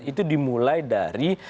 itu dimulai dari